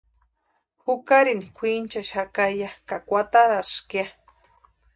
Jukarini kwʼinchaxaka ya ka kwataraska ya.